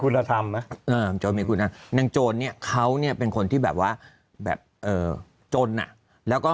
คุณธรรมนางโจรเนี่ยเขาเนี่ยเป็นคนที่แบบว่าแบบจนแล้วก็